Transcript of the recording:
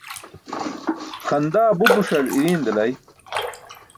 Xandaa bupuśar irii̇ṅ delay.